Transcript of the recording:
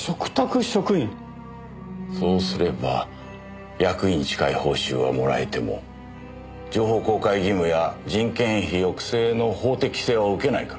そうすれば役員に近い報酬はもらえても情報公開義務や人件費抑制の法的規制は受けないから。